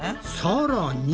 さらに。